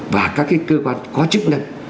và các cái cơ quan có chức năng